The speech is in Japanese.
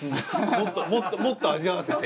もっともっと味わわせて。